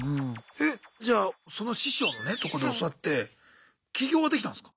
えじゃあその師匠のねとこで教わって起業はできたんすか？